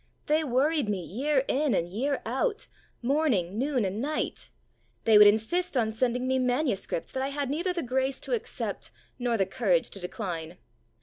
They worried me year in and year out, morning, noon, and night. They would insist on sending me manuscripts that I had neither the grace to accept nor the courage to decline.